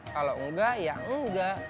kalau enggak ya enggak